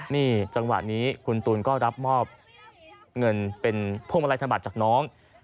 นี่จังหวะนี้คุณตูนก็รับมอบเงินเป็นพวงมาลัยธบัตรจากน้อง